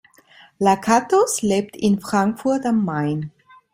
Lakatos lebt in Frankfurt am Main.